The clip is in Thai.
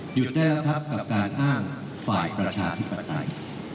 หยุดได้แล้วครับกับการอ้างฝ่ายประชาธิปไตย